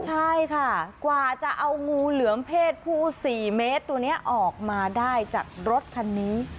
ใช่ค่ะกว่าจะเอางูเหลือมเพศผู้๔เมตรตัวนี้ออกมาได้จากรถคันนี้